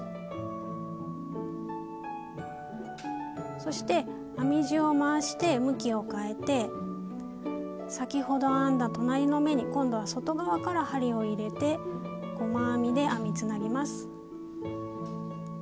そして編み地を回して向きを変えて先ほど編んだ隣の目に今度は外側から針を入れて細編みで編みつなぎます。